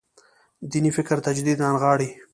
دیني فکر تجدید رانغاړي.